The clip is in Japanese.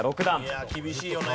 いや厳しいよね。